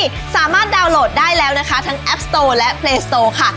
สามารถดาวน์โหลดได้แล้วนะคะทั้งแอปสโตและเพลสโตค่ะ